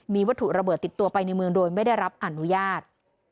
มีวัตถุระเบิดติดตัวไปในเมืองโดยไม่ได้รับอนุญาต